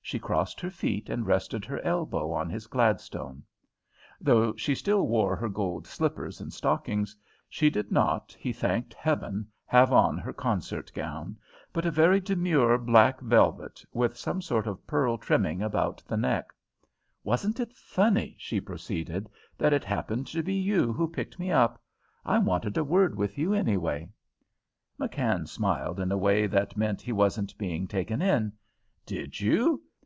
She crossed her feet and rested her elbow on his Gladstone. Though she still wore her gold slippers and stockings, she did not, he thanked Heaven, have on her concert gown, but a very demure black velvet with some sort of pearl trimming about the neck. "Wasn't it funny," she proceeded, "that it happened to be you who picked me up? I wanted a word with you, anyway." McKann smiled in a way that meant he wasn't being taken in. "Did you?